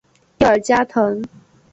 蒂尔加滕。